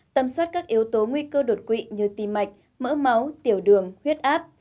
tầm soát các yếu tố nguy cơ đột quỵ như tim mạch mỡ máu tiểu đường huyết áp